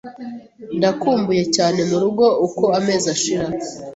Ndakumbuye cyane murugo uko amezi ashira.